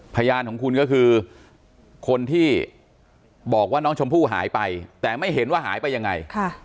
พยานของคุณก็คือคนที่บอกว่าน้องชมพู่หายไปแต่ไม่เห็นว่าหายไปยังไง